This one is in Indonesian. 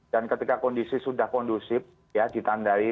dan ketika kondisi sudah kondusif ya ditandai